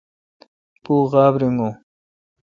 پو غاب ریگون۔